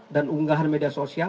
dan unggahan media sosial